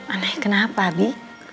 aneh kenapa abi